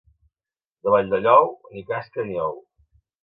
De Valldellou, ni casca ni ou.